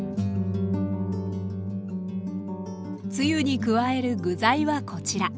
つゆに加える具材はこちら。